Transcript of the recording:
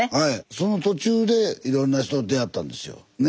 その途中でいろんな人と出会ったんですよね？